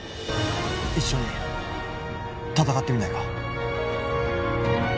一緒に戦ってみないか？